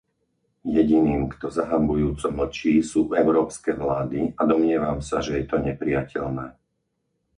Jediným, kto zahanbujúco mlčí, sú európske vlády a domnievam sa, že je to neprijateľné.